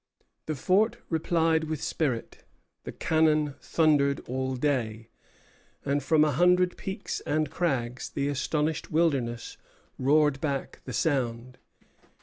The fort replied with spirit. The cannon thundered all day, and from a hundred peaks and crags the astonished wilderness roared back the sound.